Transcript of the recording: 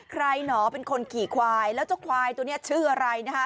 หนอเป็นคนขี่ควายแล้วเจ้าควายตัวนี้ชื่ออะไรนะคะ